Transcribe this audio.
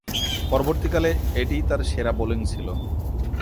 পরবর্তীকালে এটিই তার সেরা বোলিং ছিল।